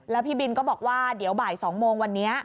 แล้วพี่บินก็บอกว่าเดี๋ยวบ่าย๒โมงวันนี้